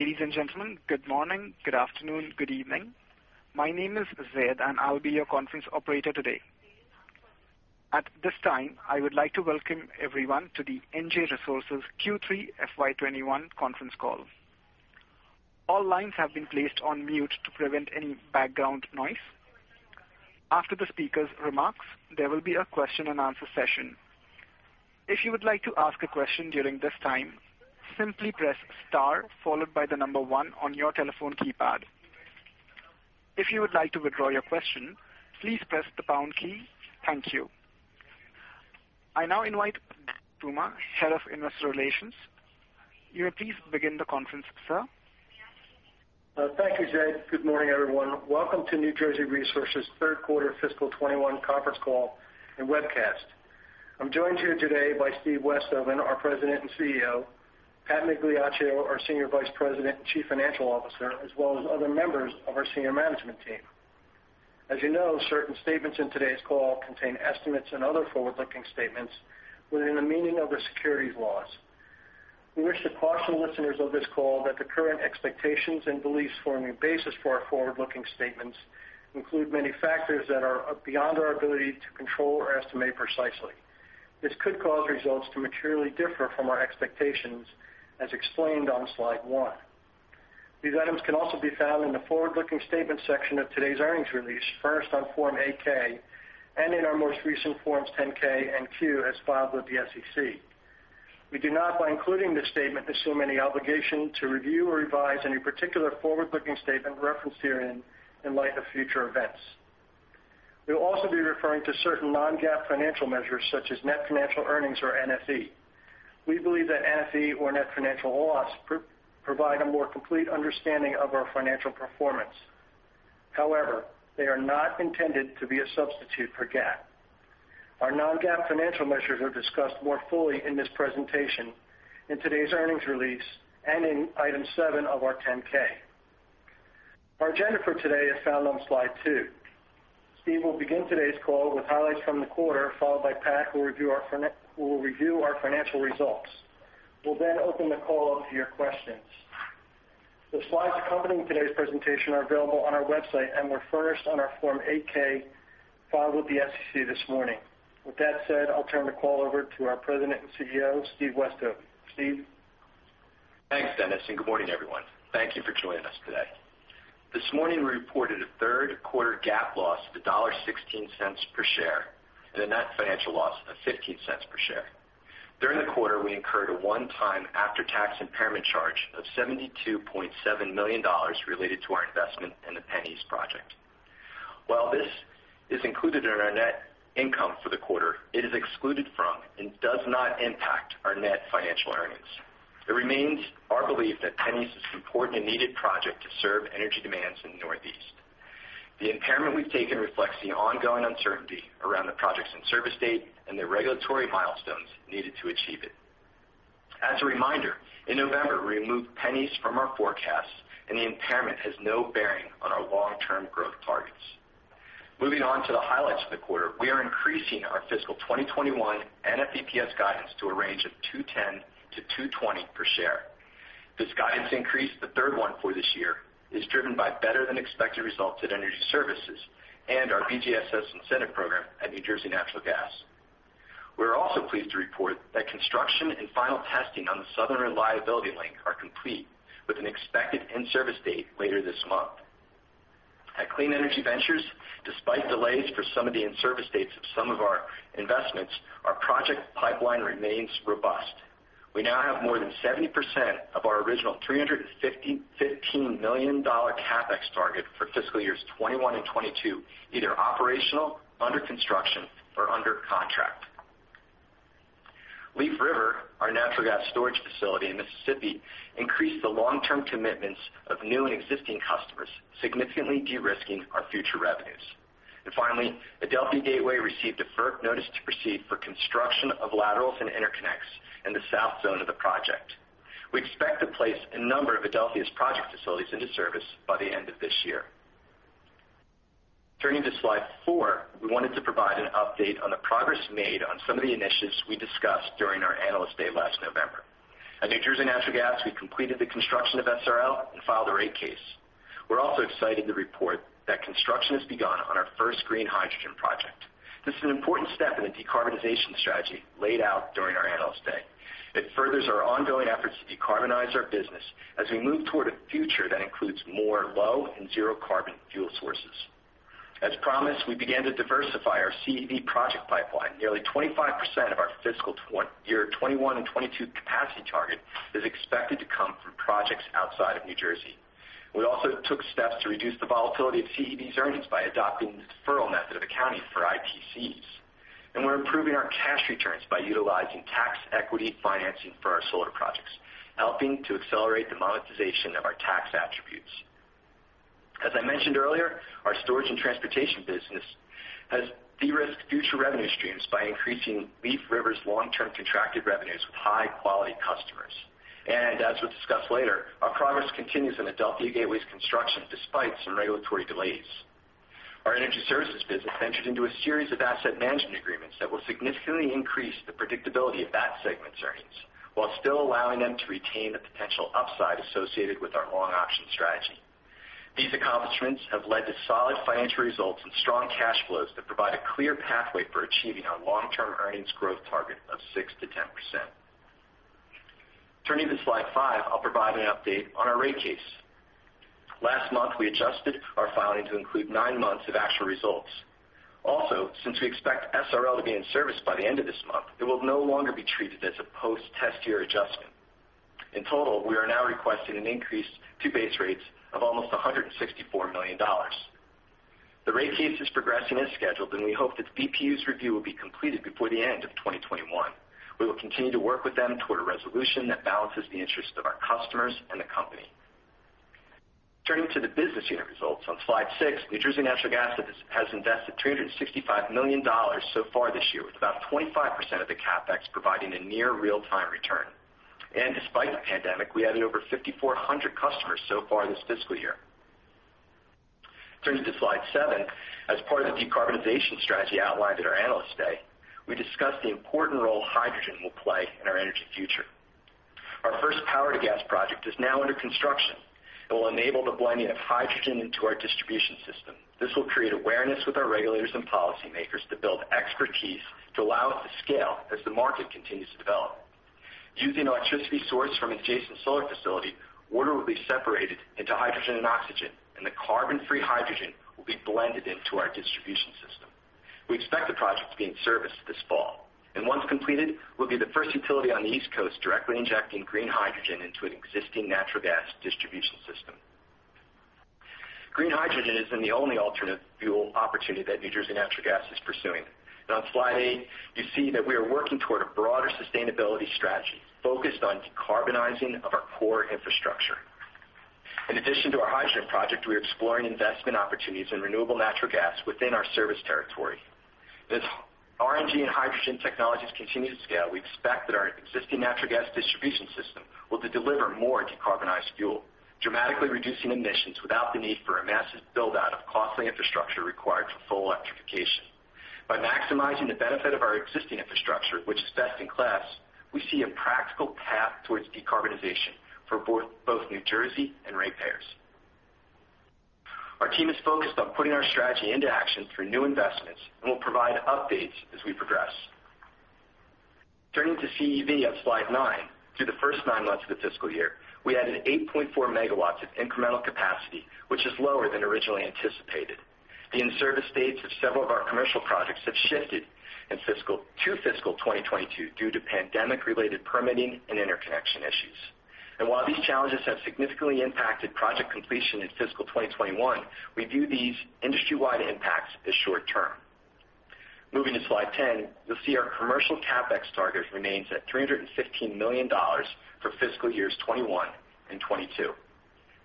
Ladies and gentlemen, good morning, good afternoon, good evening. My name is Zed, I'll be your conference operator today. At this time, I would like to welcome everyone to the NJ Resources Q3 FY 2021 Conference Call. All lines have been placed on mute to prevent any background noise. After the speaker's remarks, there will be a question-and-answer session. If you would like to ask a question during this time, simply press star followed by the number one on your telephone keypad. If you would like to withdraw your question, please press the pound key. Thank you. I now invite Puma, Head of Investor Relations. You may please begin the conference, sir. Thank you, Zed. Good morning, everyone. Welcome to New Jersey Resources' Third Quarter Fiscal 2021 Conference Call and Webcast. I'm joined here today by Steve Westhoven, our President and CEO, Pat Migliaccio, our Senior Vice President and Chief Financial Officer, as well as other members of our senior management team. As you know, certain statements in today's call contain estimates and other forward-looking statements within the meaning of the securities laws. We wish to caution listeners of this call that the current expectations and beliefs forming the basis for our forward-looking statements include many factors that are beyond our ability to control or estimate precisely. This could cause results to materially differ from our expectations, as explained on slide one. These items can also be found in the forward-looking statements section of today's earnings release, first on Form 8-K, and in our most recent Forms 10-K and Q, as filed with the SEC. We do not, by including this statement, assume any obligation to review or revise any particular forward-looking statement referenced herein in light of future events. We'll also be referring to certain non-GAAP financial measures, such as net financial earnings, or NFE. We believe that NFE or net financial loss provide a more complete understanding of our financial performance. However, they are not intended to be a substitute for GAAP. Our non-GAAP financial measures are discussed more fully in this presentation, in today's earnings release, and in Item 7 of our 10-K. Our agenda for today is found on slide two. Steve will begin today's call with highlights from the quarter, followed by Pat, who will review our financial results. We will then open the call up to your questions. The slides accompanying today's presentation are available on our website and were furnished on our Form 8-K filed with the SEC this morning. With that said, I will turn the call over to our President and CEO, Steve Westhoven. Steve? Thanks, Dennis, and good morning, everyone. Thank you for joining us today. This morning, we reported a third quarter GAAP loss of $1.16 per share and a net financial loss of $0.15 per share. During the quarter, we incurred a one-time after-tax impairment charge of $72.7 million related to our investment in the PennEast project. While this is included in our net income for the quarter, it is excluded from and does not impact our net financial earnings. It remains our belief that PennEast is an important and needed project to serve energy demands in the Northeast. The impairment we've taken reflects the ongoing uncertainty around the project's in-service date and the regulatory milestones needed to achieve it. As a reminder, in November, we removed PennEast from our forecast, and the impairment has no bearing on our long-term growth targets. Moving on to the highlights of the quarter. We are increasing our fiscal 2021 NFEPS guidance to a range of $2.10-$2.20 per share. This guidance increase, the third one for this year, is driven by better-than-expected results at Energy Services and our BGSS incentive program at New Jersey Natural Gas. We're also pleased to report that construction and final testing on the Southern Reliability Link are complete, with an expected in-service date later this month. At Clean Energy Ventures, despite delays for some of the in-service dates of some of our investments, our project pipeline remains robust. We now have more than 70% of our original $315 million CapEx target for fiscal years 2021 and 2022 either operational, under construction, or under contract. Leaf River, our natural gas storage facility in Mississippi, increased the long-term commitments of new and existing customers, significantly de-risking our future revenues. Finally, Adelphia Gateway received a FERC notice to proceed for construction of laterals and interconnects in the south zone of the project. We expect to place a number of Adelphia's project facilities into service by the end of this year. Turning to slide four, we wanted to provide an update on the progress made on some of the initiatives we discussed during our Analyst Day last November. At New Jersey Natural Gas, we completed the construction of SRL and filed a rate case. We're also excited to report that construction has begun on our first green hydrogen project. This is an important step in the decarbonization strategy laid out during our Analyst Day. It furthers our ongoing efforts to decarbonize our business as we move toward a future that includes more low and zero-carbon fuel sources. As promised, we began to diversify our CEV project pipeline. Nearly 25% of our fiscal year 2021 and 2022 capacity target is expected to come from projects outside of New Jersey. We also took steps to reduce the volatility of CEV's earnings by adopting the deferral method of accounting for ITCs. We're improving our cash returns by utilizing tax equity financing for our solar projects, helping to accelerate the monetization of our tax attributes. As I mentioned earlier, our Storage and Transportation business has de-risked future revenue streams by increasing Leaf River's long-term contracted revenues with high-quality customers. As we'll discuss later, our progress continues on Adelphia Gateway's construction despite some regulatory delays. Our energy services business entered into a series of Asset Management Agreements that will significantly increase the predictability of that segment's earnings while still allowing them to retain the potential upside associated with our long option strategy. These accomplishments have led to solid financial results and strong cash flows that provide a clear pathway for achieving our long-term earnings growth target of 6%-10%. Turning to slide five, I'll provide an update on our rate case. Last month, we adjusted our filing to include nine months of actual results. Also, since we expect SRL to be in service by the end of this month, it will no longer be treated as a post-test year adjustment. In total, we are now requesting an increase to base rates of almost $164 million. The rate case is progressing as scheduled, and we hope that the BPU's review will be completed before the end of 2021. We will continue to work with them toward a resolution that balances the interests of our customers and the company. Turning to the business unit results on slide six, New Jersey Natural Gas has invested $365 million so far this year, with about 25% of the CapEx providing a near real-time return. Despite the pandemic, we added over 5,400 customers so far this fiscal year. Turning to slide seven, as part of the decarbonization strategy outlined at our Analyst Day, we discussed the important role hydrogen will play in our energy future. Our first power-to-gas project is now under construction. It will enable the blending of hydrogen into our distribution system. This will create awareness with our regulators and policymakers to build expertise to allow us to scale as the market continues to develop. Using electricity sourced from an adjacent solar facility, water will be separated into hydrogen and oxygen, and the carbon-free hydrogen will be blended into our distribution system. We expect the project to be in service this fall. Once completed, we'll be the first utility on the East Coast directly injecting green hydrogen into an existing natural gas distribution system. Green hydrogen isn't the only alternative fuel opportunity that New Jersey Natural Gas is pursuing. On slide eight, you see that we are working toward a broader sustainability strategy focused on decarbonizing our core infrastructure. In addition to our hydrogen project, we are exploring investment opportunities in renewable natural gas within our service territory. As RNG and hydrogen technologies continue to scale, we expect that our existing natural gas distribution system will deliver more decarbonized fuel, dramatically reducing emissions without the need for a massive build-out of costly infrastructure required for full electrification. By maximizing the benefit of our existing infrastructure, which is best in class, we see a practical path towards decarbonization for both New Jersey and ratepayers. Our team is focused on putting our strategy into action through new investments and will provide updates as we progress. Turning to CEV on slide nine, through the first nine months of the fiscal year, we added 8.4 MW of incremental capacity, which is lower than originally anticipated. And in service states, several of our commercial projects has shifted at fiscal, to fiscal 2022 due to pandemic related permitting and interconnection issues. While these challenges have significantly impacted project completion in fiscal 2021, we view these industry-wide impacts as short-term. Moving to slide 10, you'll see our commercial CapEx target remains at $315 million for fiscal years 2021 and 2022.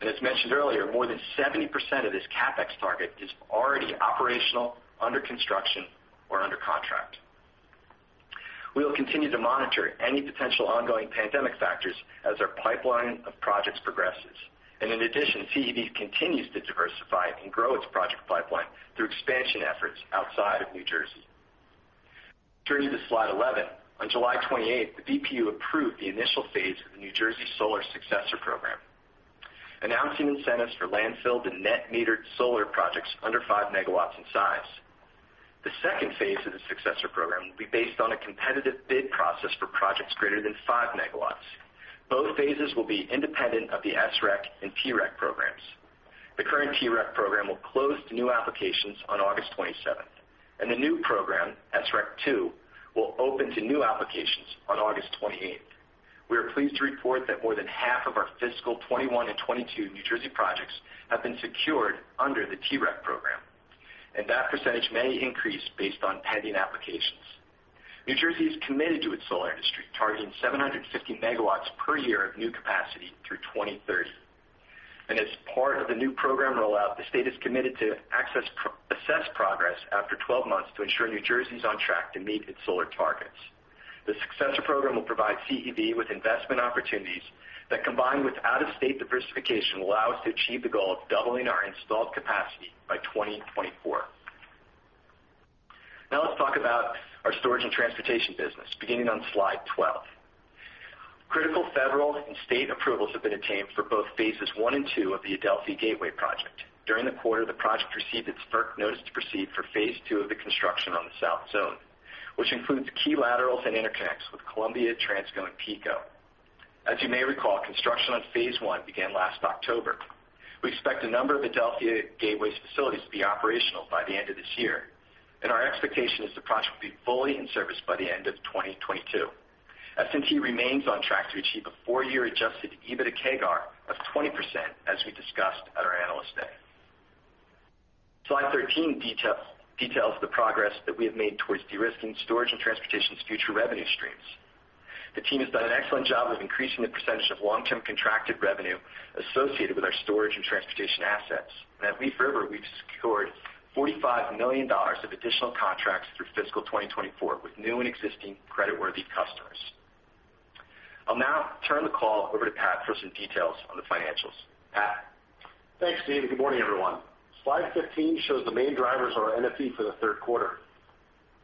As mentioned earlier, more than 70% of this CapEx target is already operational, under construction, or under contract. We will continue to monitor any potential ongoing pandemic factors as our pipeline of projects progresses. In addition, CEV continues to diversify and grow its project pipeline through expansion efforts outside of New Jersey. Turning to slide 11, on July 28th, the BPU approved the initial phase of the New Jersey Solar Successor Program, announcing incentives for landfill, the net metered solar projects under 5 MW in size. The second phase of the Successor Program will be based on a competitive bid process for projects greater than 5 MW. Both phases will be independent of the SREC and TREC programs. The current TREC program will close to new applications on August 27th, and the new program, SREC II, will open to new applications on August 28th. We are pleased to report that more than half of our fiscal 2021 and 2022 New Jersey projects have been secured under the PREC program. That percentage may increase based on pending applications. New Jersey is committed to its solar industry, targeting 750 MW per year of new capacity through 2030. As part of the new program rollout, the state is committed to assess progress after 12 months to ensure New Jersey is on track to meet its solar targets. The Successor Program will provide CEV with investment opportunities that, combined with out-of-state diversification, will allow us to achieve the goal of doubling our installed capacity by 2024. Let's talk about our Storage and Transportation business beginning on slide 12. Critical federal and state approvals have been attained for both phases I and II of the Adelphia Gateway project. During the quarter, the project received its FERC notice to proceed for phase II of the construction on the south zone, which includes key laterals and interconnects with Columbia Transco and PECO. As you may recall, construction on phase I began last October. We expect a number of Adelphia Gateway's facilities to be operational by the end of this year, and our expectation is the project will be fully in service by the end of 2022. S&T remains on track to achieve a four-year adjusted EBITDA CAGR of 20% as we discussed at our Analyst Day. Slide 13 details the progress that we have made towards de-risking Storage and Transportation's future revenue streams. The team has done an excellent job of increasing the percentage of long-term contracted revenue associated with our Storage and Transportation assets. At Leaf River, we've secured $45 million of additional contracts through fiscal 2024 with new and existing creditworthy customers. I'll now turn the call over to Pat for some details on the financials. Pat? Thanks, Steve. Good morning, everyone. Slide 15 shows the main drivers of our NFE for the third quarter.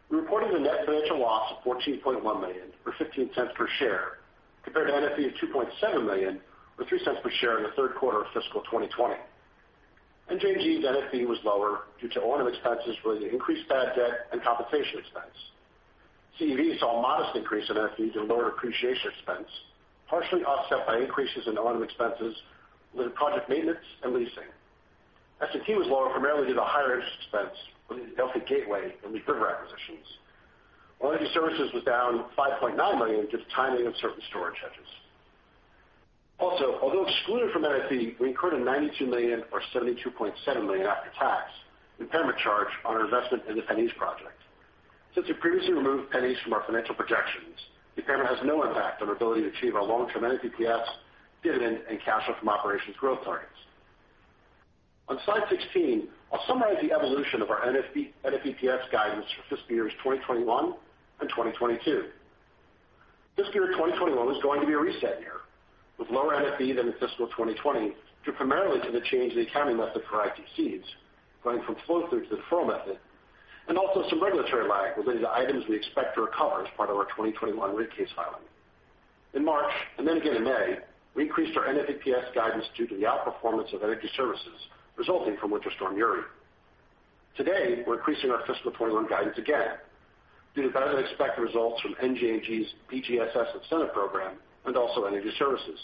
We reported a net financial loss of $14.1 million, or $0.15 per share, compared to NFE of $2.7 million or $0.03 per share in the third quarter of fiscal 2020. NJR's NFE was lower due to O&M expenses related to increased bad debt and compensation expense. CEV saw a modest increase in NFEs and lower depreciation expense, partially offset by increases in O&M expenses related to project maintenance and leasing. S&T was lower primarily due to higher interest expense related to Adelphia Gateway and Leaf River acquisitions. Energy services was down $5.9 million due to the timing of certain storage hedges. Also, although excluded from NFE, we incurred a $92 million, or $72.7 million after tax, impairment charge on our investment in the PennEast project. Since we previously removed PennEast from our financial projections, the impairment has no impact on our ability to achieve our long-term NFEPS, dividend, and cash flow from operations growth targets. On slide 16, I'll summarize the evolution of our NFEPS guidance for fiscal years 2021 and 2022. Fiscal year 2021 is going to be a reset year with lower NFE than in fiscal 2020, due primarily to the change in the accounting method for ITCs, going from flow-through to the deferral method, and also some regulatory lag related to items we expect to recover as part of our 2021 rate case filing. In March, and then again in May, we increased our NFEPS guidance due to the outperformance of energy services resulting from Winter Storm Uri. Today, we're increasing our fiscal 2021 guidance again due to better-than-expected results from NJNG's BGSS incentive program and also Energy Services,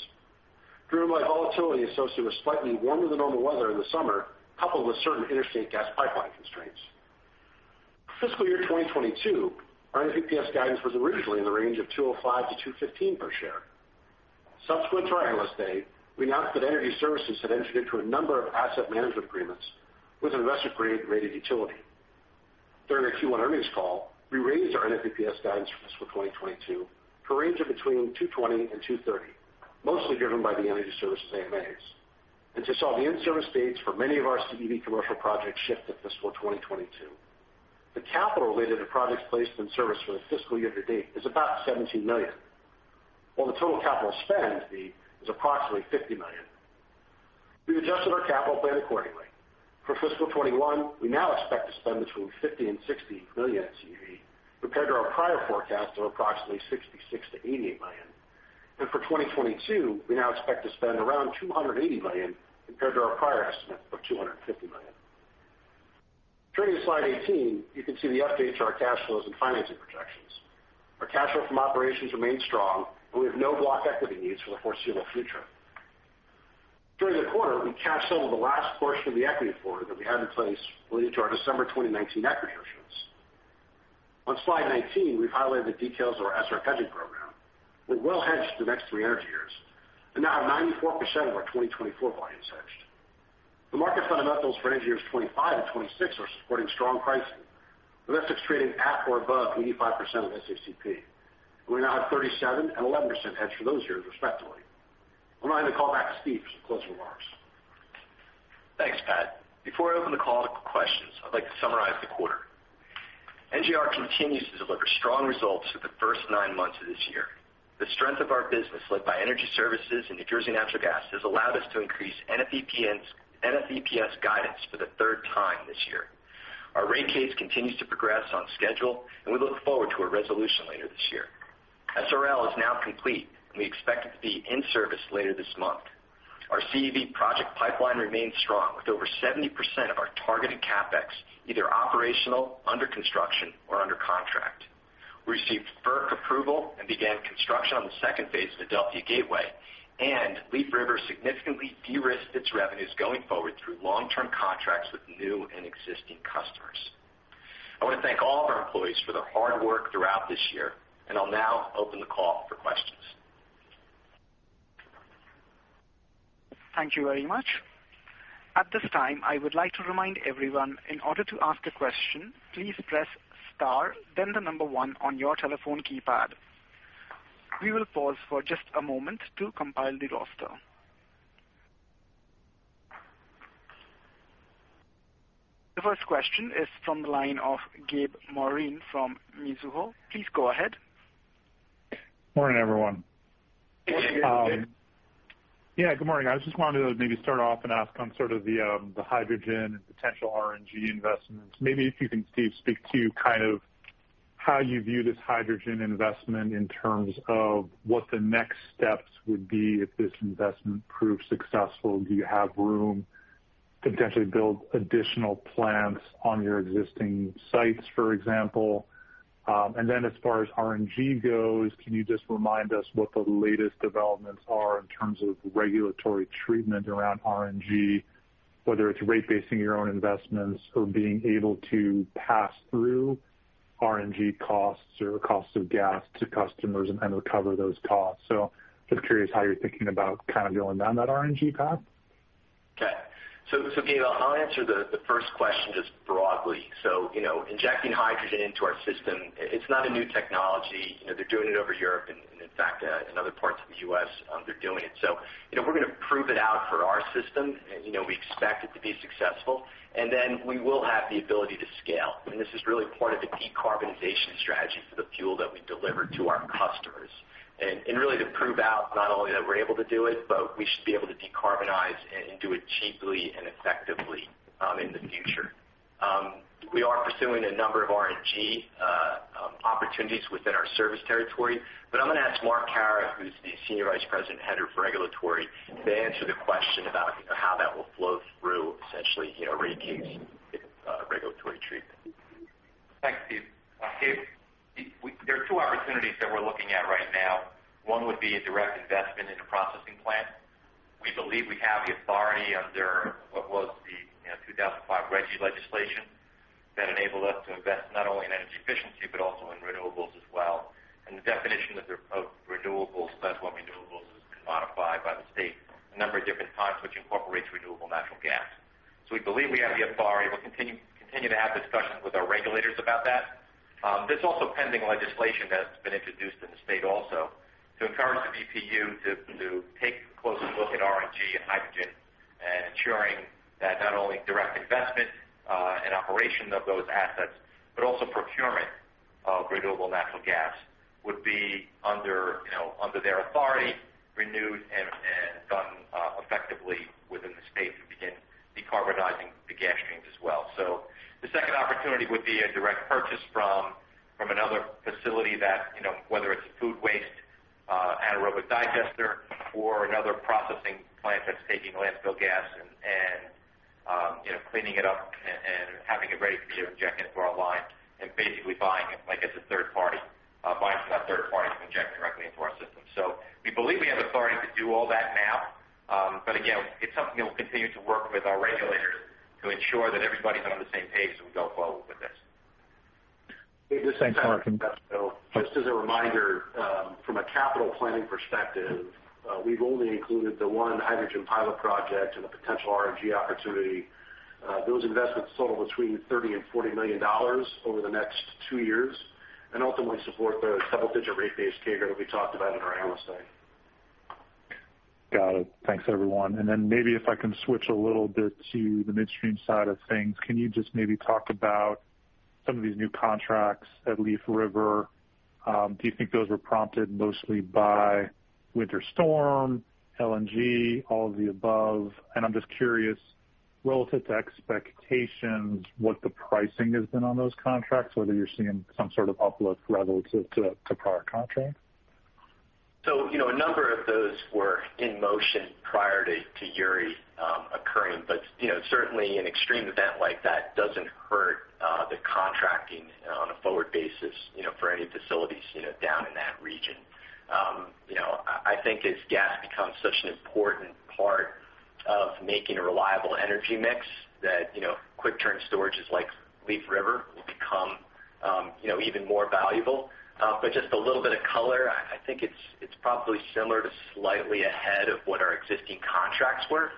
driven by volatility associated with slightly warmer-than-normal weather in the summer, coupled with certain interstate gas pipeline constraints. For fiscal year 2022, our NFEPS guidance was originally in the range of $2.05-$2.15 per share. Subsequent to our Analyst Day, we announced that Energy Services had entered into a number of Asset Management Agreements with an investor-grade rated utility. During our Q1 earnings call, we raised our NFEPS guidance for fiscal 2022 to a range of between $2.20 and $2.30, mostly driven by the Energy Services AMAs, and to saw the in-service dates for many of our CEV commercial projects shift to fiscal 2022. The capital related to projects placed in service for the fiscal year to date is about $17 million, while the total capital spend is approximately $50 million. We've adjusted our capital plan accordingly. For FY 2021, we now expect to spend between $50 million and $60 million at CEV compared to our prior forecast of approximately $66 million-$88 million. For 2022, we now expect to spend around $280 million compared to our prior estimate of $250 million. Turning to slide 18, you can see the updates to our cash flows and financing projections. Our cash flow from operations remains strong, and we have no block equity needs for the foreseeable future. During the quarter, we cashed over the last portion of the equity floor that we had in place related to our December 2019 equity issuance. On slide 19, we've highlighted the details of our SREC hedging program. We're well-hedged for the next three energy years and now have 94% of our 2024 volumes hedged. The market fundamentals for energy years 2025 and 2026 are supporting strong pricing, with SRECs trading at or above 85% of SACP. We now have 37% and 11% hedged for those years, respectively. I'm going to hand the call back to Steve for some closing remarks. Thanks, Pat. Before I open the call up for questions, I'd like to summarize the quarter. NJR continues to deliver strong results through the first nine months of this year. The strength of our business, led by NJR Energy Services in New Jersey Natural Gas, has allowed us to increase NFEPS guidance for the third time this year. Our rate case continues to progress on schedule, and we look forward to a resolution later this year. SRL is now complete, and we expect it to be in service later this month. Our CEV project pipeline remains strong with over 70% of our targeted CapEx either operational, under construction, or under contract. We received FERC approval and began construction on the second phase of Adelphia Gateway, and Leaf River significantly de-risked its revenues going forward through long-term contracts with new and existing customers. I want to thank all of our employees for their hard work throughout this year, and I'll now open the call for questions. Thank you very much. At this time, I would like to remind everyone, in order to ask a question, please press star then the number one on your telephone keypad. We will pause for just a moment to compile the roster. The first question is from the line of Gabe Moreen from Mizuho. Please go ahead. Morning, everyone. Morning, Gabe. Yeah, good morning. I just wanted to maybe start off and ask on sort of the hydrogen and potential RNG investments. Maybe if you can, Steve, speak to kind of how you view this hydrogen investment in terms of what the next steps would be if this investment proves successful. Do you have room to potentially build additional plants on your existing sites, for example? As far as RNG goes, can you just remind us what the latest developments are in terms of regulatory treatment around RNG, whether it's rate-basing your own investments or being able to pass through RNG costs or costs of gas to customers and recover those costs? Just curious how you're thinking about kind of going down that RNG path. Okay. I'll answer the first question just broadly. Injecting hydrogen into our system, it's not a new technology. They're doing it over Europe, and in fact, in other parts of the U.S. they're doing it. We're going to prove it out for our system, and we expect it to be successful, and then we will have the ability to scale. I mean, this is really part of the decarbonization strategy for the fuel that we deliver to our customers, and really to prove out not only that we're able to do it, but we should be able to decarbonize and do it cheaply and effectively in the future. We are pursuing a number of RNG opportunities within our service territory. I'm going to ask Mark Kahrer, who's the Senior Vice President, Head of Regulatory, to answer the question about how that will flow through, essentially, rate case regulatory treatment. Thanks, Steve. There are two opportunities that we're looking at right now. One would be a direct investment in a processing plant. We believe we have the authority under what was the 2005 RGGI legislation that enabled us to invest not only in energy efficiency, but also in renewables as well. The definition of renewables has been modified by the state a number of different times, which incorporates renewable natural gas. We believe we have the authority. We'll continue to have discussions with our regulators about that. There's also pending legislation that's been introduced in the state also to encourage the BPU to take a closer look at RNG and hydrogen and ensuring that not only direct investment and operation of those assets, but also procurement of renewable natural gas would be under their authority, renewed, and done effectively within the state to begin decarbonizing the gas streams as well. The second opportunity would be a direct purchase from another facility that, whether it's a food waste anaerobic digester or another processing plant that's taking landfill gas and cleaning it up and having it ready to be injected into our line, and basically buying it like it's a third party, buying from that third party to inject directly into our system. We believe we have authority to do all that now. Again, it's something that we'll continue to work with our regulators to ensure that everybody's on the same page as we go forward with this. Just as a reminder, from a capital planning perspective, we've only included the one hydrogen pilot project and the potential RNG opportunity. Those investments total between $30 million and $40 million over the next two years and ultimately support the double-digit rate base CAGR that we talked about in our Analyst Day. Got it. Thanks, everyone. Maybe if I can switch a little bit to the midstream side of things, can you just maybe talk about some of these new contracts at Leaf River? Do you think those were prompted mostly by winter storm, LNG, all of the above? I'm just curious, relative to expectations, what the pricing has been on those contracts, whether you're seeing some sort of uplift relative to prior contracts. A number of those were in motion prior to Uri occurring, but certainly an extreme event like that doesn't hurt the contracting on a forward basis for any facilities down in that region. I think as gas becomes such an important part of making a reliable energy mix that quick turn storage like Leaf River will become even more valuable. Just a little bit of color, I think it's probably similar to slightly ahead of what our existing contracts were.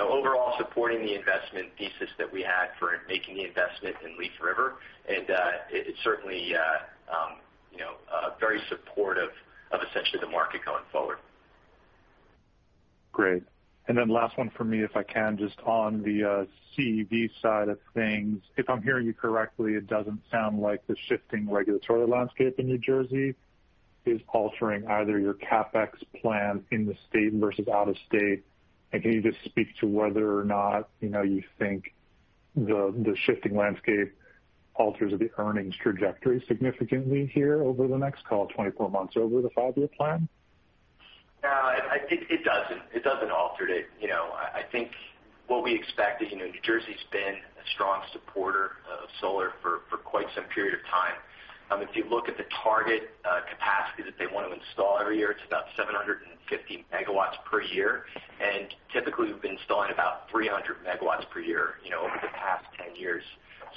Overall supporting the investment thesis that we had for making the investment in Leaf River, and it certainly very supportive of essentially the market going forward. Great. Then last one for me, if I can, just on the CEV side of things. If I'm hearing you correctly, it doesn't sound like the shifting regulatory landscape in New Jersey is altering either your CapEx plan in the state versus out of state. Can you just speak to whether or not you think the shifting landscape alters the earnings trajectory significantly here over the next, call it 24 months, over the five-year plan? No, it doesn't. It doesn't alter it. I think what we expect is, New Jersey's been a strong supporter of solar for quite some period of time. If you look at the target capacity that they want to install every year, it's about 750 MW per year. Typically, we've been installing about 300 MW per year over the past 10 years.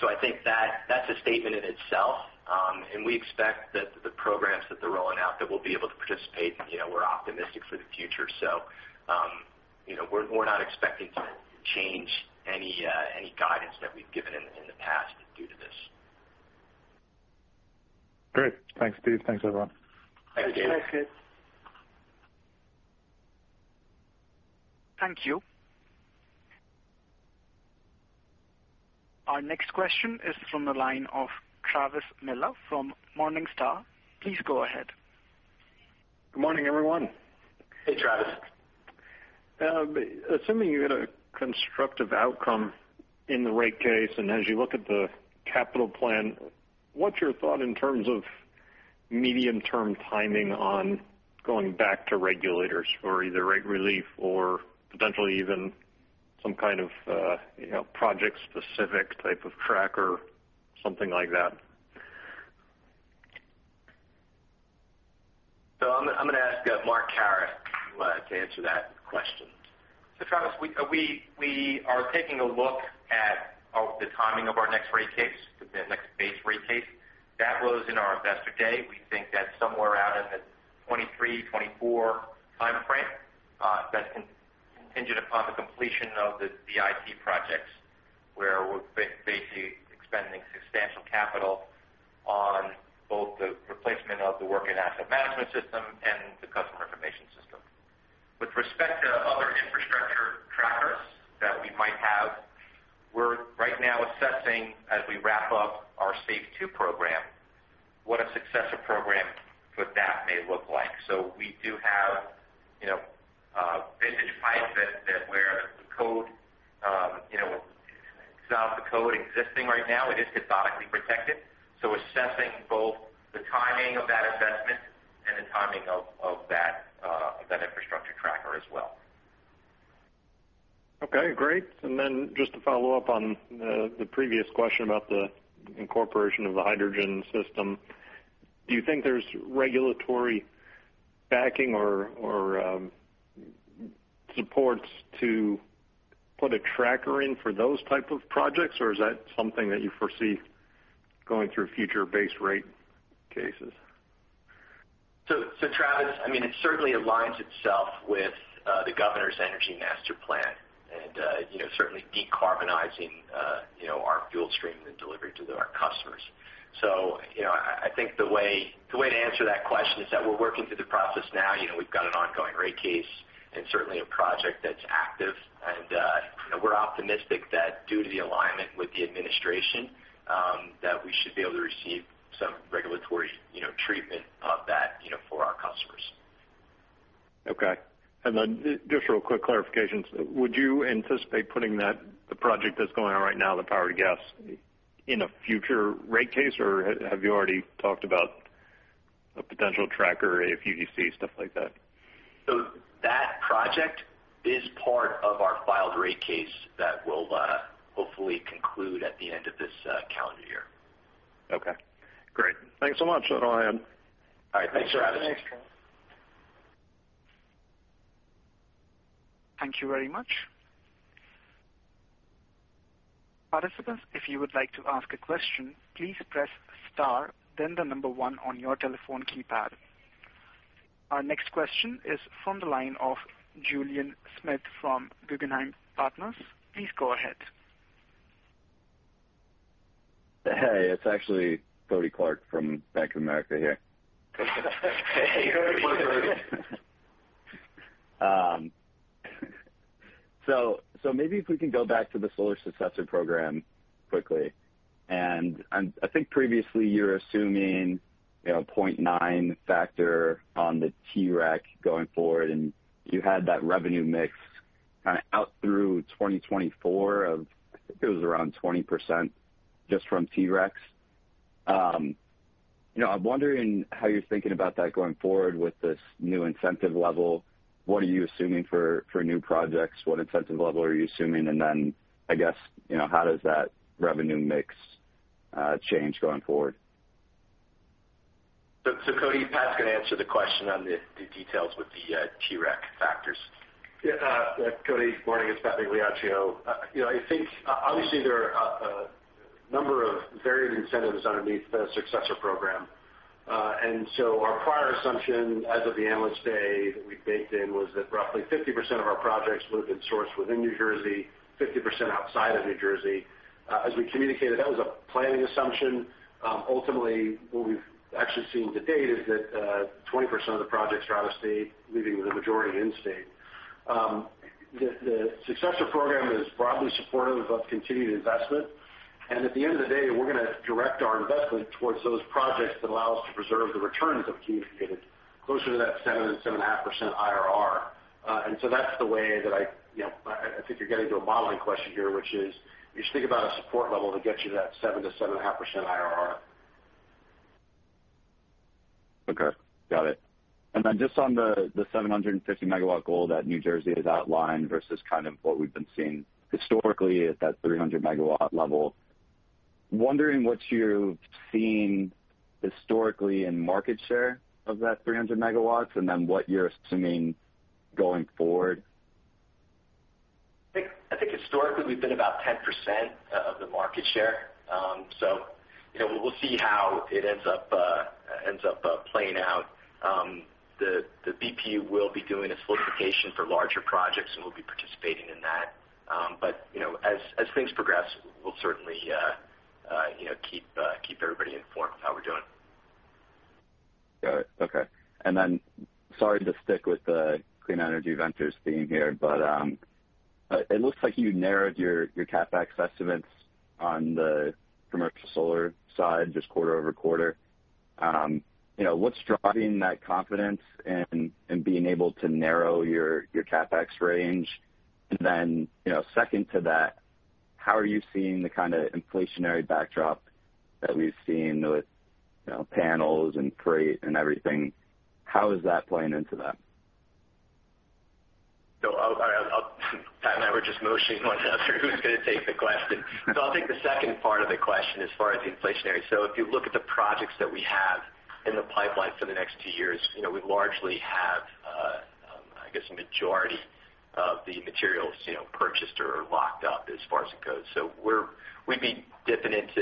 I think that's a statement in itself. We expect that the programs that they're rolling out that we'll be able to participate, we're optimistic for the future. We're not expecting to change any guidance that we've given in the past due to this. Great. Thanks, Steve. Thanks, everyone. Thanks. Thanks. Thank you. Our next question is from the line of Travis Miller from Morningstar. Please go ahead. Good morning, everyone. Hey, Travis. Assuming you get a constructive outcome in the rate case, as you look at the capital plan, what's your thought in terms of medium-term timing on going back to regulators for either rate relief or potentially even some kind of project-specific type of tracker, something like that? I'm going to ask Mark Kahrer to answer that question. Travis, we are taking a look at the timing of our next rate case, the next base rate case. That was in our investor day. We think that's somewhere out in the 2023, 2024 timeframe. That's contingent upon the completion of the DIT projects, where we're basically expending substantial capital on both the replacement of the working asset management system and the customer information system. With respect to other infrastructure trackers that we might have, we're right now assessing as we wrap up our SAFE II program, what a successor program would that a look like? We do have vintage pipes where the code existing right now, it is cathodically protected. Assessing both the timing of that investment and the timing of that infrastructure tracker as well. Okay, great. Just to follow up on the previous question about the incorporation of the hydrogen system, do you think there's regulatory backing or supports to put a tracker in for those type of projects? Or is that something that you foresee going through future base rate cases? Travis, it certainly aligns itself with the Governor's Energy Master Plan and certainly decarbonizing our fuel stream and delivery to our customers. I think the way to answer that question is that we're working through the process now. We've got an ongoing rate case and certainly a project that's active. We're optimistic that due to the alignment with the administration, that we should be able to receive some regulatory treatment of that for our customers. Okay. Then just real quick clarification. Would you anticipate putting the project that's going on right now, the power-to-gas, in a future rate case? Have you already talked about a potential tracker, a [CVC], stuff like that? That project is part of our filed rate case that will hopefully conclude at the end of this calendar year. Okay, great. Thanks so much. That's all I had. All right. Thanks, Travis. Thanks, Travis. Thank you very much. Participants, if you would like to ask a question, please press star 1 on your telephone keypad. Our next question is from the line of Julian Mitchell from Guggenheim Partners. Please go ahead. Hey, it is actually Kody Clark from Bank of America here. Hey. Maybe if we can go back to the Solar Successor Program quickly. I think previously you were assuming 0.9 factor on the TREC going forward, and you had that revenue mix kind of out through 2024 of, I think it was around 20% just from TRECs. I'm wondering how you're thinking about that going forward with this new incentive level. What are you assuming for new projects? What incentive level are you assuming? I guess, how does that revenue mix change going forward? Kody, Pat's going to answer the question on the details with the TREC factors. Yeah. Kody, morning. It's Patrick Migliaccio. I think, obviously, there are a number of varied incentives underneath the Successor Program. Our prior assumption as of the Analyst Day that we baked in was that roughly 50% of our projects would have been sourced within New Jersey, 50% outside of New Jersey. As we communicated, that was a planning assumption. Ultimately, what we've actually seen to date is that 20% of the projects are out of state, leaving the majority in state. The Successor Program is broadly supportive of continued investment. At the end of the day, we're going to direct our investment towards those projects that allow us to preserve the returns we've communicated, closer to that 7%-7.5% IRR. That's the way that I think you're getting to a modeling question here, which is you just think about a support level that gets you that 7%-7.5% IRR. Okay, got it. Just on the 750 MW goal that New Jersey has outlined versus kind of what we've been seeing historically at that 300 MW level. Wondering what you've seen historically in market share of that 300 MW and then what you're assuming going forward? I think historically we've been about 10% of the market share. We'll see how it ends up playing out. The BPU will be doing a solicitation for larger projects, and we'll be participating in that. As things progress, we'll certainly keep everybody informed of how we're doing. Got it. Okay. Sorry to stick with the Clean Energy Ventures theme here, but it looks like you narrowed your CapEx estimates on the commercial solar side just quarter-over-quarter. What's driving that confidence in being able to narrow your CapEx range? Second to that, how are you seeing the kind of inflationary backdrop that we've seen with panels and freight and everything? How is that playing into that? Pat and I were just motioning one to the other, who's going to take the question? I'll take the second part of the question as far as the inflationary. If you look at the projects that we have in the pipeline for the next two years, we largely have I guess a majority of the materials purchased or locked up as far as it goes. We'd be dipping into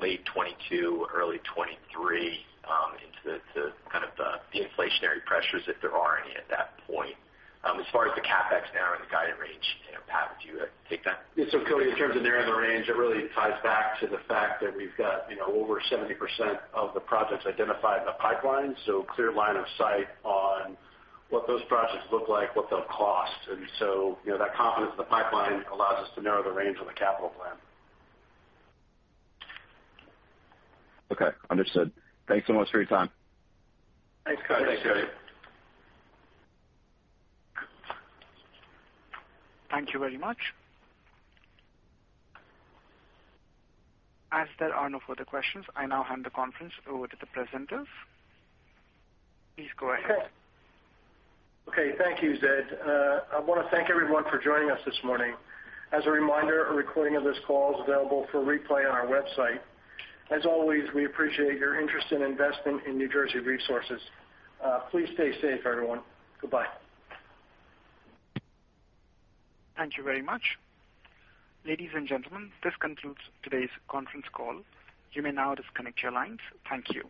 late 2022, early 2023 into the kind of the inflationary pressures, if there are any at that point. As far as the CapEx now and the guided range, Pat, would you take that? Yeah. Kody, in terms of narrowing the range, it really ties back to the fact that we've got over 70% of the projects identified in the pipeline. Clear line of sight on what those projects look like, what they'll cost. That confidence in the pipeline allows us to narrow the range on the capital plan. Okay, understood. Thanks so much for your time. Thanks, Kody. Thanks, Kody. Thank you very much. As there are no further questions, I now hand the conference over to the presenters. Please go ahead. Okay. Thank you, Zed. I want to thank everyone for joining us this morning. As a reminder, a recording of this call is available for replay on our website. As always, we appreciate your interest in investing in New Jersey Resources. Please stay safe, everyone. Goodbye. Thank you very much. Ladies and gentlemen, this concludes today's conference call. You may now disconnect your lines. Thank you.